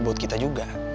buat kita juga